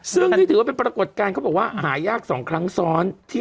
๓เดือน๓อะไรอย่างนี้